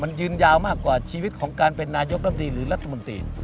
มันยืนยาวมากกว่าชีวิตของการเป็นนายกรัมดีหรือรัฐมนตรี